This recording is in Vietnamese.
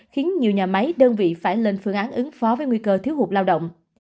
khiến nhiều nhà máy đơn vị phải lên phương án ứng phó với nguy cơ thiếu hụt lao động